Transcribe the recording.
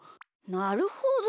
なるほど。